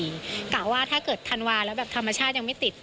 กะว่าถ้าเกิดธันวาแล้วแบบธรรมชาติยังไม่ติด